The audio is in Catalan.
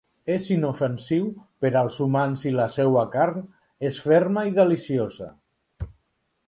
És inofensiu per als humans i la seua carn és ferma i deliciosa.